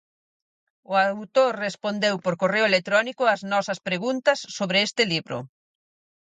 O autor respondeu por correo electrónico as nosas preguntas sobre este libro.